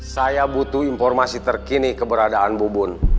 saya butuh informasi terkini keberadaan bubun